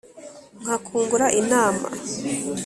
nkakungura inama!